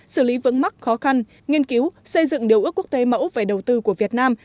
xử lý vững mắc khó khăn nghiên cứu xây dựng điều ước quốc tế mẫu về đầu tư của việt nam